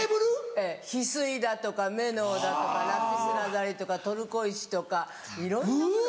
ええヒスイだとかメノウだとかラピスラズリとかトルコ石とかいろんなもの。